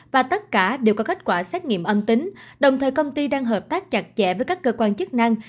và tất cả đều có kết quả xét nghiệm âm tính đồng thời công ty đang hợp tác chặt chẽ với các cơ quan chức năng